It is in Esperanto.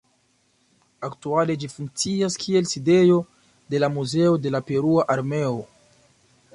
Aktuale ĝi funkcias kiel sidejo de la Muzeo de la Perua Armeo.